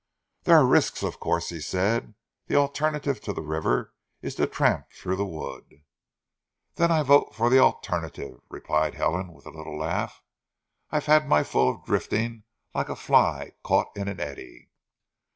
"There are risks, of course," he said. "The alternative to the river is to tramp through the wood." "Then I vote for the alternative," replied Helen with a little laugh. "I've had my full of drifting like a fly caught in an eddy."